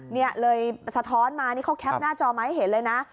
นี่เลยสะท้อนมานี่เขาแคปหน้าจอมาให้เห็นเลยนะ